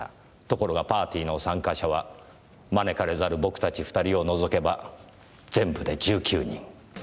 ところがパーティーの参加者は招かれざる僕たち２人を除けば全部で１９人。